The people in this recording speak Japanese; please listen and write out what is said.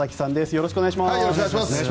よろしくお願いします。